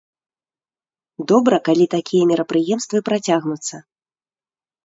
Добра, калі такія мерапрыемствы працягнуцца.